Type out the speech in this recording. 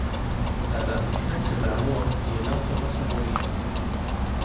La transmisión se trabó y el auto no se movía.